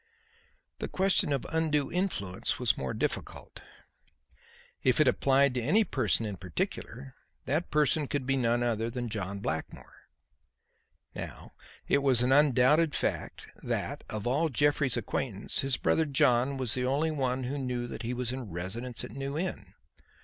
The question of undue influence was more difficult. If it applied to any person in particular, that person could be none other than John Blackmore. Now it was an undoubted fact that, of all Jeffrey's acquaintance, his brother John was the only one who knew that he was in residence at New Inn.